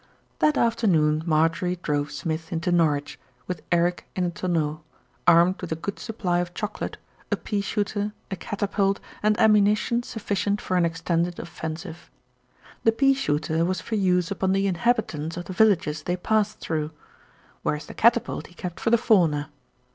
That afternoon Marjorie drove Smith into Norwich, with Eric in the tonneau, armed with a good supply of chocolate, a pea shooter, a catapult, and ammunition sufficient for an extended offensive. The pea shooter was for use upon the inhabitants of the villages they passed through, whereas the catapult he kept for the fauna.